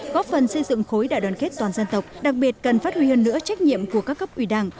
góp phần xây dựng khối đại đoàn kết toàn dân tộc đặc biệt cần phát huy hơn nữa trách nhiệm của các cấp ủy đảng